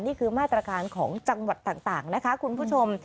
นี่คือมาตรการของจังหวัดต่างนะคะคุณผู้ชม